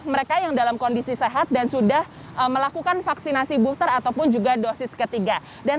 mereka yang dalam kondisi sehat dan sudah melakukan vaksinasi booster ataupun juga dosis ketiga dan